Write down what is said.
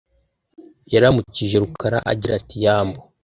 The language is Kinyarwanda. yaramukije Rukara agira ati yambu